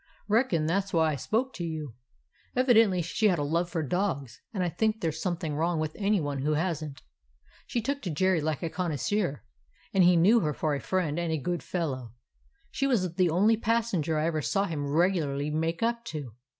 Reckon that 's why I spoke to you. Evidently she had a love for dogs ; and I think there 's some thing wrong with any one who has n't. She took to J erry like a connoisseur, and he knew her for a friend and a good fellow. She was the only passenger I ever saw him regularly make up to.